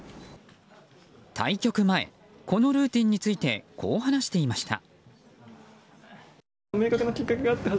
対局前、このルーティンについてこう話していました。